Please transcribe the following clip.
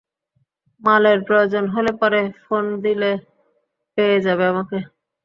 মালের প্রয়োজন হলে পরে, ফোন দিলে পেয়ে যাবে আমাকে।